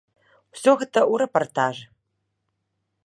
Усё гэта ў рэпартажы.